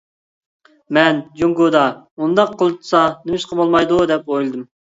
مەن جۇڭگودا ئۇنداق قىلسا نېمىشقا بولمايدۇ دەپ ئويلىدىم.